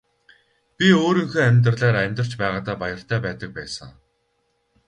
Би өөрийнхөө амьдралаар амьдарч байгаадаа баяртай байдаг байсан.